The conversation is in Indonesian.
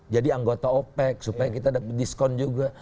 jadi anggota opec supaya kita dapat diskon juga